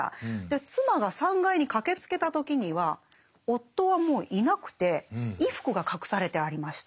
妻が３階に駆けつけた時には夫はもういなくて衣服が隠されてありました。